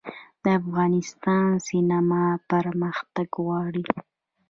د افغانستان سینما پرمختګ غواړي